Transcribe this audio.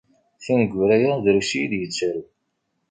Tineggura-ya drus i yi-d-yettaru.